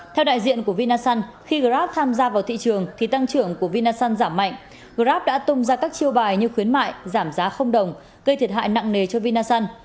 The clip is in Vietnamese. theo đại diện của vinasun khi grab tham gia vào thị trường thì tăng trưởng của vinasun giảm mạnh grab đã tung ra các chiêu bài như khuyến mại giảm giá không đồng gây thiệt hại nặng nề cho vinasun